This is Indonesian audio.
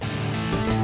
makanya lu yang khawatir